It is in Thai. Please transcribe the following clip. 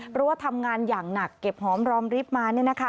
เพราะว่าทำงานอย่างหนักเก็บหอมรอมริบมา